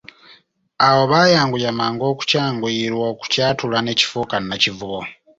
Awo bayanguya mangu okukyanguyirwa okukyatula ne kifuuka Nakivubo.